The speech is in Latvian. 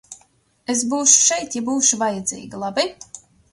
Es būšu šeit, ja būšu vajadzīga, labi?